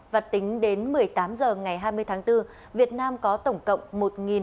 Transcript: và tính đến một mươi tám h ngày hai mươi tháng bốn việt nam có tổng thống bệnh